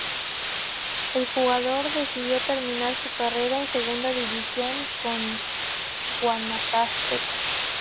El jugador decidió terminar su carrera en Segunda División con Guanacasteca.